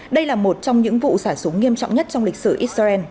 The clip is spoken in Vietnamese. đây là một trong những vụ xả súng nghiêm trọng nhất trong lịch sử israel